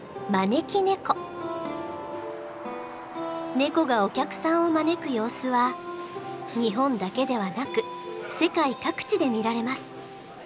ネコがお客さんを招く様子は日本だけではなく世界各地で見られます。